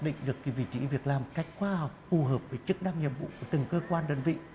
để thực hiện được cái vị trí việc làm cách khoa học phù hợp với chức năng nhiệm vụ của từng cơ quan đơn vị